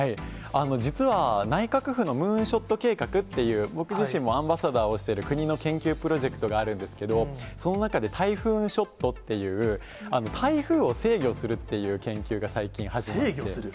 実は、内閣府のムーンショット計画っていう、僕自身もアンバサダーをしている国の研究プロジェクトがあるんですけど、その中でタイフーンショットっていう、台風を制御するっていう研制御する？